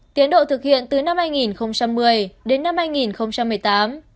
tiến độ thực hiện từ năm hai nghìn một mươi đến năm hai nghìn một mươi tám